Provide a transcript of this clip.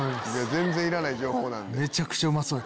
全然いらない情報なんで。